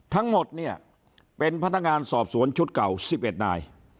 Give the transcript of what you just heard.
ทั้งหมดเนี่ยเป็นพนักงานสอบสวนชุดเก่า๑๑นาย